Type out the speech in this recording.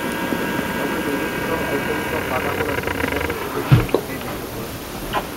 Hogei minutuero autobus bat badagoela esan didaten telefonoz Bizkaibusekoek.